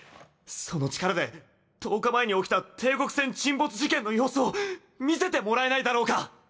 その力で１０日前に起きた帝国船沈没事件の様子を見せてもらえないだろうか？